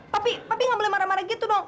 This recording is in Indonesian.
papi papi nggak boleh marah marah gitu dong